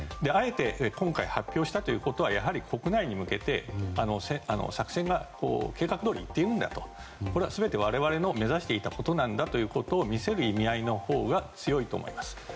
あえて今回発表したということは国内に向けて作戦が計画どおりにいっているんだとこれは全て我々の目指していたことなんだと見せる意味合いのほうが強いと思います。